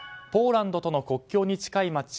ポーランドとの国境に近い街